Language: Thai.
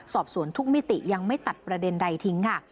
สอบสวนทุกมิติยังไม่ตัดประเด็นใดทิ้งค่ะ